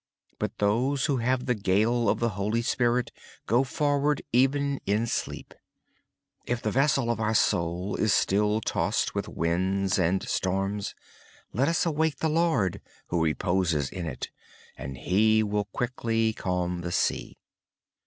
But those who have the gale of the Holy Spirit go forward even in sleep. If the vessel of our soul is still tossed with winds and storms, let us awake the Lord who reposes in it. He will quickly calm the sea.